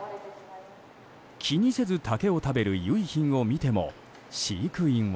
気にせず竹を食べる結浜を見ても飼育員は。